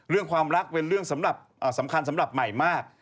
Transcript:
เรื่องความรักเป็นเรื่องสำคัญสำหรับใหม่มาก